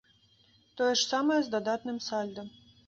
Тое ж самае з дадатным сальда.